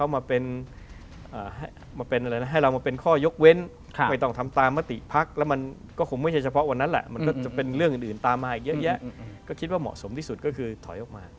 มาเป็นอะไรนะมันก็จะเป็นเรื่องอื่นตามมาอีกเยอะแยะก็คิดว่าเหมาะสมที่สุดก็คือถอยออกมา